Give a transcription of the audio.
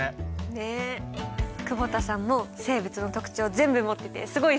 久保田さんも生物の特徴全部持っててすごい！